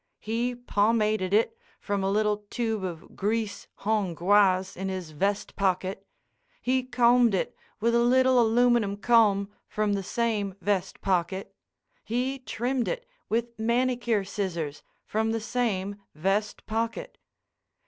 He pomaded it, from a little tube of grease Hongroise in his vest pocket. He combed it with a little aluminum comb from the same vest pocket. He trimmed it with manicure scissors from the same vest pocket.